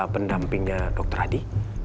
pendampingnya dr adi